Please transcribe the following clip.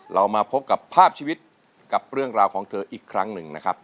เรามาพบกับภาพชีวิตกับเรื่องราวของเธออีกครั้งหนึ่งนะครับ